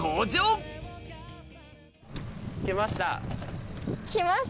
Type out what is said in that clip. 来ました！